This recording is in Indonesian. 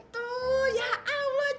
jadi juga usaha